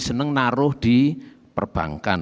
senang naruh di perbankan